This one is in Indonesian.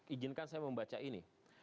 ijinkan saya membaca ini